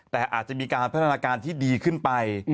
แต่อาจจะมีการพัฒนาการที่ดีขึ้นไป